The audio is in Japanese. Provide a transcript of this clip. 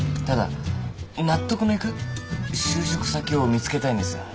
ただ納得のいく就職先を見つけたいんです。